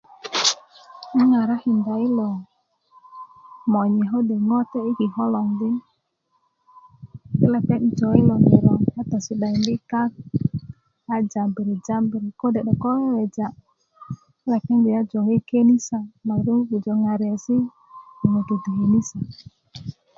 n ŋarakinda yilo monye kode' ŋote i kiko logon di ti lepeŋ i jou yilo ŋiro a tösi'dakindi' kak a jambiri jambiri kode' 'dok ko weweja ti lepeŋ joŋgi' yi kenisa ma lepeŋ bubulö pujö ŋariyesi' yi ŋutuu ti kenisa